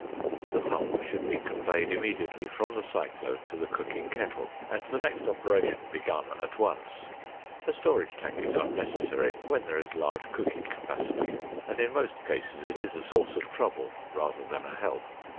The pulp should be conveyed immediately from the cyclone to the cooking kettle, and the next operation begun at once. A storage tank is unnecessary when there is large cooking capacity, and in most cases it is a source of trouble rather than a help.